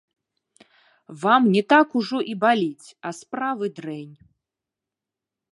Вам не так ужо і баліць, а справы дрэнь.